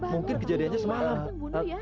mungkin kejadiannya semalam